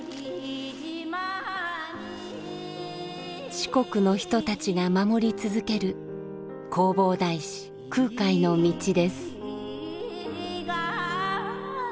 四国の人たちが守り続ける弘法大師・空海の道です。